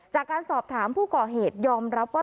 จากการสอบถามผู้ก่อเหตุยอมรับว่า